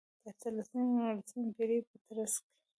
د اتلسمې او نولسمې پېړیو په ترڅ کې.